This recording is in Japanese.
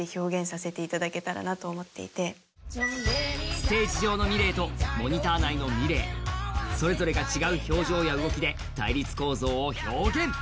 ステージ上のｍｉｌｅｔとモニター内のｍｉｌｅｔそれぞれが違う表情や動きで対立構造を表現。